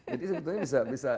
jadi sebetulnya bisa